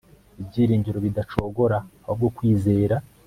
ibyiringiro bidacogora ahubwo kwizera